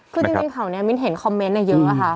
คือจริงเขาเนี่ยมิ้นเห็นคอมเมนต์เนี่ยเยอะค่ะ